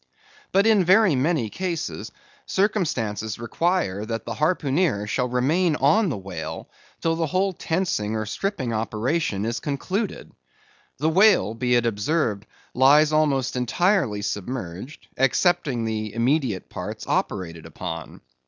But in very many cases, circumstances require that the harpooneer shall remain on the whale till the whole flensing or stripping operation is concluded. The whale, be it observed, lies almost entirely submerged, excepting the immediate parts operated upon.